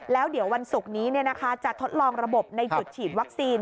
แล้วเดี๋ยววันศุกร์นี้จะทดลองระบบในจุดฉีดวัคซีน